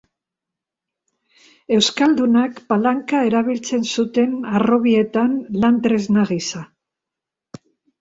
Euskaldunak palanka erabiltzen zuten harrobietan lan tresna gisa.